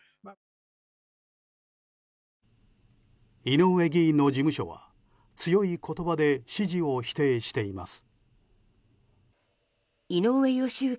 井上議員の事務所は強い言葉で指示を否定しています。